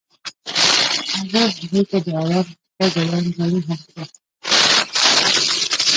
هغه هغې ته د آرام شپه ګلان ډالۍ هم کړل.